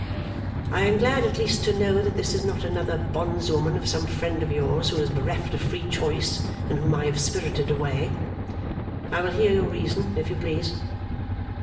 'I am at least glad to know that this is not another bondswoman of some friend of yours, who is bereft of free choice, and whom I have spirited away. I will hear your reason, if you please.